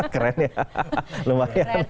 keren ya lumayan